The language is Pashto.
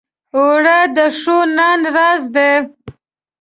اوړه د ښو نان راز دی